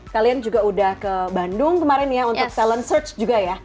kalian juga udah ke bandung kemarin ya untuk talent search juga ya